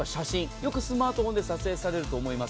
よくスマートフォンで撮影されると思います。